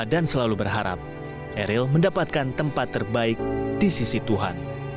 dan selalu berharap eril mendapatkan tempat terbaik di sisi tuhan